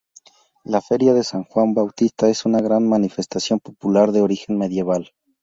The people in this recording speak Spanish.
La Feria de San Juan Bautista es una gran manifestación popular de origen medieval.